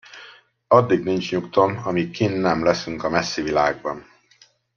Addig nincs nyugtom, amíg kinn nem leszünk a messzi világban.